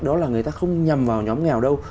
đó là người ta không nhầm vào nhóm nghèo đâu